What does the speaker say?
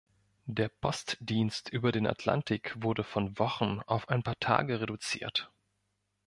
Der Postdienst über den Atlantik wurde von Wochen auf ein paar Tage reduziert.